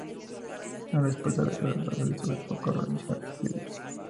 En respuesta recibió el aviso de socorro de Jack Phillips.